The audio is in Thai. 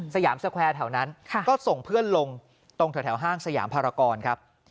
ยามสแควร์แถวนั้นก็ส่งเพื่อนลงตรงแถวห้างสยามภารกรครับ